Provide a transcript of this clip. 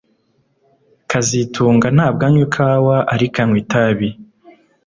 kazitunga ntabwo anywa ikawa ariko anywa itabi